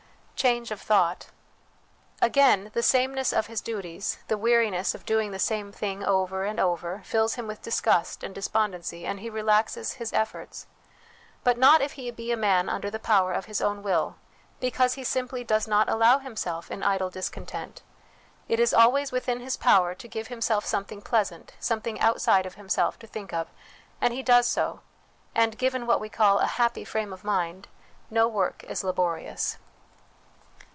Change of Thought. Again, the sameness of his duties, the weariness of doing the same thing over and over, fills him with disgust and despondency, and he relaxes his efforts ; but not if he be a man under the power of his own will, because he simply does not allow himself in idle discontent ; it is always within his power to give himself something pleasant, something outside of himself, to think of, and he does so ; and, given what we call a ' happy frame of mind,' no work is laborious.